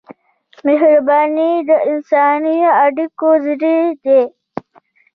مهرباني د انساني اړیکو زړه دی.